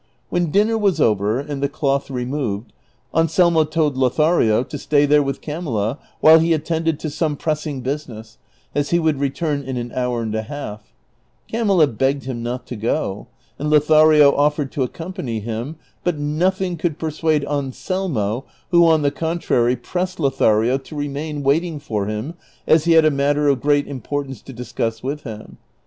When dinner was over and the cloth removed, Anselmo told Lothario to stay there with Camilla while he attended to some press ing business, as he would return in an hour and a half. Camilla beo o"ed him not to go, and Lothario otiered to accompany him. but nothing could persuade Anselmo, who on the contrary pressed Lothario to remain waiting for him as he had a matter of great im portance to discuss with him.